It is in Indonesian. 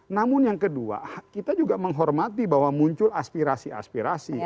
namun yang kedua kita juga menghormati bahwa muncul aspirasi aspirasi